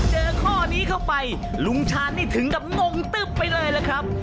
เจอข้อนี้เข้าไปลุงชาญนี่ถึงกับงงตึ๊บไปเลยล่ะครับ